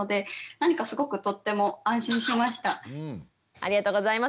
ありがとうございます。